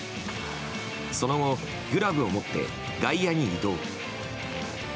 その後、グラブをもって外野に移動。